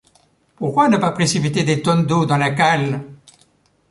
Pourquoi ne pas précipiter des tonnes d’eau dans la cale?